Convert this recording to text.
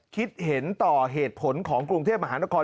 คิดเห็นต่อเหตุผลของกรุงเทพมหานคร